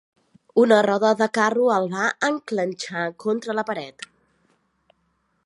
Una roda de carro el va encletxar contra la paret.